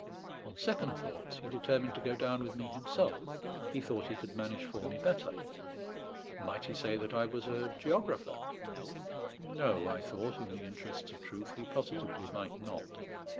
On second thoughts he determined to go down with me himself; he thought he could manage for me better. Might he say that I was a geographer? No; I thought, in the interests of truth, he positively might not.